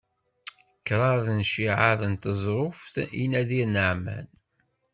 Kraḍ n cciεat n teẓruft i Nadir Naɛman.